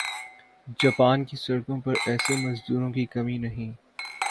Japan کی سڑکوں پر ایسے مزدوروں کی کمی نہیں